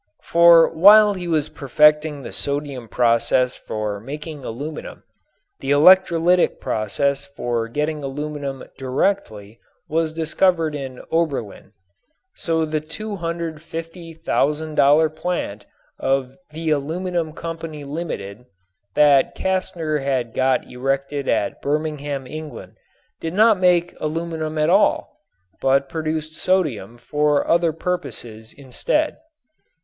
For while he was perfecting the sodium process for making aluminum the electrolytic process for getting aluminum directly was discovered in Oberlin. So the $250,000 plant of the "Aluminium Company Ltd." that Castner had got erected at Birmingham, England, did not make aluminum at all, but produced sodium for other purposes instead.